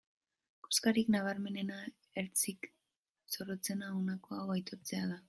Koskarik nabarmenena, ertzik zorrotzena, honako hau aitortzea da.